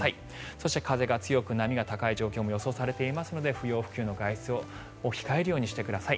そして、風が強く波が高い状況も予想されていますので不要不急の外出を控えるようにしてください。